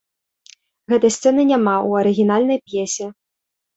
Гэтай сцэны няма ў арыгінальнай п'есе.